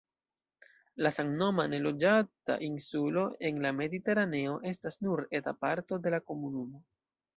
La samnoma, neloĝata insulo en la Mediteraneo estas nur eta parto de la komunumo.